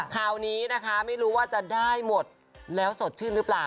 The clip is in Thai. คราวนี้นะคะไม่รู้ว่าจะได้หมดแล้วสดชื่นหรือเปล่า